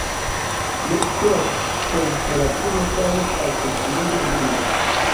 Nokte la temperaturo falis al proksimume nulo.